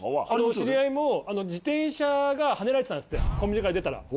知り合いも自転車がはねられてたんですってコンビニから出たら。